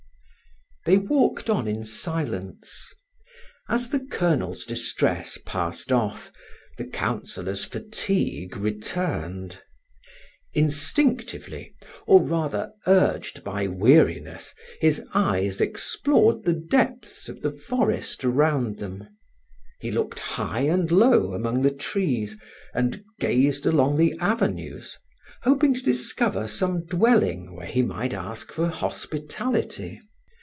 They walked on in silence. As the Colonel's distress passed off the Councillor's fatigue returned. Instinctively, or rather urged by weariness, his eyes explored the depths of the forest around them; he looked high and low among the trees, and gazed along the avenues, hoping to discover some dwelling where he might ask for hospitality.